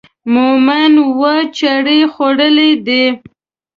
مومن اووه چړې خوړلې دي.